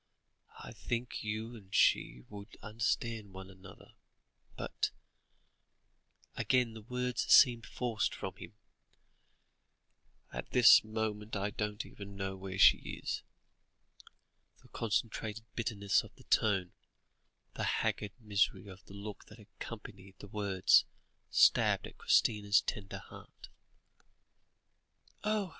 "I think you and she would understand one another, but" again the words seemed forced from him "at this moment, I don't even know where she is." The concentrated bitterness of the tone, the haggard misery of the look that accompanied the words, stabbed at Christina's tender heart. "Oh!